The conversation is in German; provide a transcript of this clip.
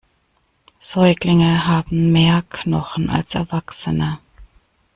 Säuglinge haben mehr Knochen als Erwachsene.